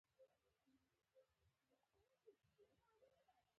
د افغانستان بزګران زحمت کوي